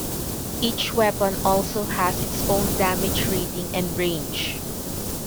Each weapon also has its own damage rating and range.